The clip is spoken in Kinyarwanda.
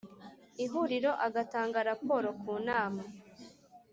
Ihuriro agatanga Raporo ku nama